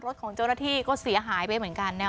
รถของเจ้าหน้าที่ก็เสียหายไปเหมือนกันนะ